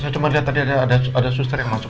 saya cuma lihat tadi ada suster yang masuk